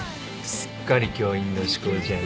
すっかり教員の思考じゃん。